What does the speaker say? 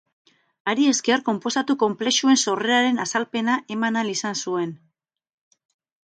Hari esker, konposatu konplexuen sorreraren azalpena eman ahal izan zuen.